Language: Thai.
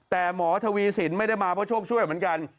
แต่หมอทวีสินไม่ได้มาเพราะโชคช่วยเหมือนกัน